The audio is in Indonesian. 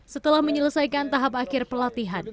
setelah menyelesaikan tahap akhir pelatihan